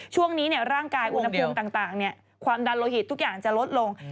ช่วงนี้ร่างกายอุณหภูมิต่างความดันโลหิตทุกอย่างจะลดลง